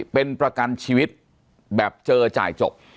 เป็นประกันชีวิตแบบเจอจ่ายจบ